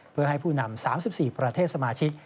เพื่อให้ผู้นำ๓๔ประเทศสมาชิก